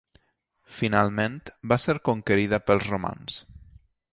Finalment, va ser conquerida pels romans.